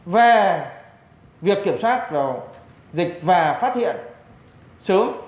về việc kiểm soát dịch và phát hiện sớm